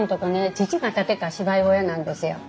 父が建てた芝居小屋なんですよ。